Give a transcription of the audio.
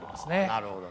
なるほど。